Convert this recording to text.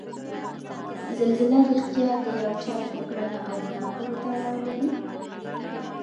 زلزله ریښتیا د یو چا په کړنه او ګناه پورې تړاو لري؟